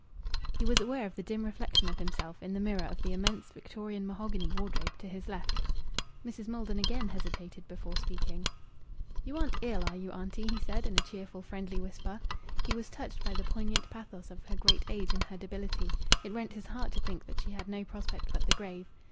He was aware of the dim reflection of himself in the mirror of the immense Victorian mahogany wardrobe to his left. Mrs. Maldon again hesitated before speaking. "You aren't ill, are you, auntie?" he said in a cheerful, friendly whisper. He was touched by the poignant pathos of her great age and her debility. It rent his heart to think that she had no prospect but the grave.